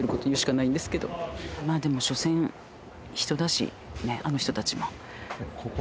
まあでもしょせん人だしねあの人たちも。